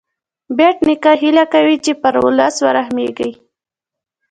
بېټ نیکه هیله کوي چې پر ولس ورحمېږې.